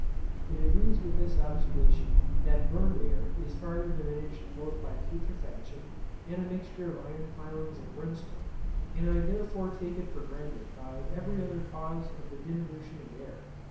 It agrees with this observation, that burned air is farther diminished both by putrefaction, and a mixture of iron filings and brimstone; and I therefore take it for granted by every other cause of the diminution of air.